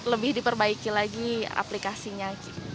lebih diperbaiki lagi aplikasinya